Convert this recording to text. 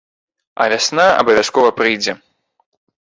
А вясна абавязкова прыйдзе.